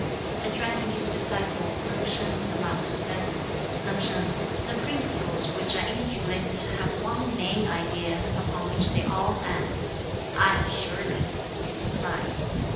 Addressing his disciple Tsang Sin, the Master said, "Tsang Sin, the principles which I inculcate have one main idea upon which they all hang." "Aye, surely," he replied.